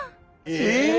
ええ！